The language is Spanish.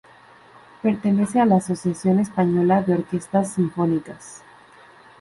Pertenece a la Asociación Española de Orquestas Sinfónicas.